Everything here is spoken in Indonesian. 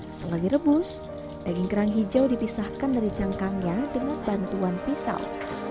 setelah direbus daging kerang hijau dipisahkan dari cangkangnya dengan bantuan pisau